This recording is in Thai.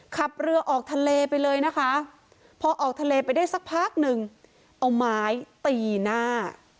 ขับเรือออกทะเลไปเลยนะคะพอออกทะเลไปได้สักพักหนึ่งเอาไม้ตีหน้า